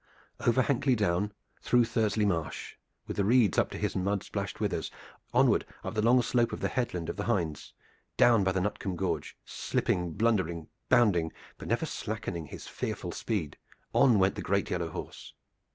Over Hankley Down, through Thursley Marsh, with the reeds up to his mud splashed withers, onward up the long slope of the Headland of the Hinds, down by the Nutcombe Gorge, slipping, blundering, bounding, but never slackening his fearful speed, on went the great yellow horse.